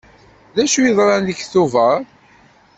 D acu yeḍran deg Tubeṛ?